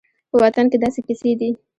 په وطن کې دا کیسې دي